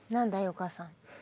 お母さん。